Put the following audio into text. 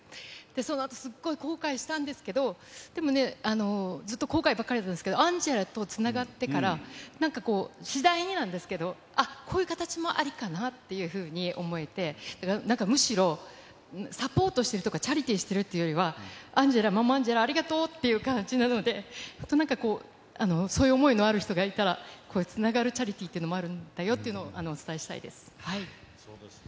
そのあとすっごい後悔したんですけど、でもね、ずっと後悔ばっかりだったんですけど、アンジェラとつながってから、なんかこう、次第になんですけど、あっ、こういう形もありかなっていうふうに思えて、なんかむしろ、サポートしてるとかチャリティーしているっていうよりは、アンジェラ、ママアンジェラありがとうっていう感じなので、本当なんか、そういう思いのある人がいたら、こういうつながるチャリティーっていうのもあるんだよというのをそうですね。